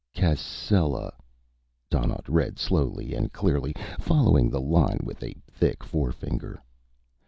"Cascella," Donnaught read, slowly and clearly, following the line with a thick forefinger.